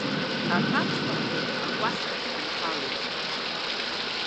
Аԥацха аҟнытә акәасқьахь дынхалеит.